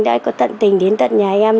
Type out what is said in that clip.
đã có tận tình đến tận nhà em